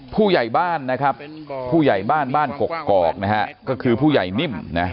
ผู้ใหญ่บ้านนะครับผู้ใหญ่บ้านบ้านกกอกนะฮะก็คือผู้ใหญ่นิ่มนะ